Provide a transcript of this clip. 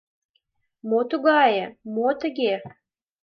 Мо тыгае... мо тыге: